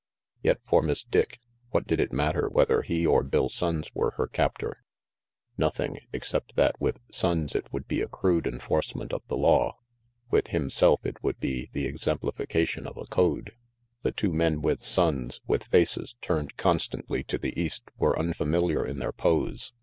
Yet for Miss Dick, what did it matter whether he or Bill Sonnes were her captor? Nothing, except that with Sonnes it would be a crude enforcement of the law; with himself it would be the exemplifica tion of a code. The two men with Sonnes, with faces turned con stantly to the east, were unfamiliar in their pose.